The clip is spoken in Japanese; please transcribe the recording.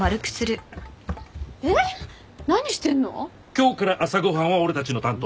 今日から朝ご飯は俺たちの担当な！